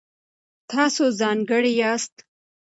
تاسو ځانګړي یاست.